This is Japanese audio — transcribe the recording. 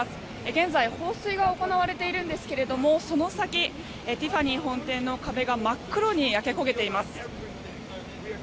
現在、放水が行われていますがその先、ティファニー本店の壁が真っ黒に焼け焦げています。